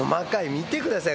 見てください。